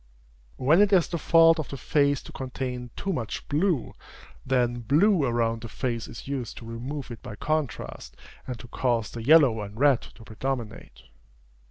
When it is the fault of a face to contain too much blue, then blue around the face is used to remove it by contrast, and to cause the yellow and red to predominate.